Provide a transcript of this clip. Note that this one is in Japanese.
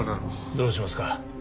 どうしますか？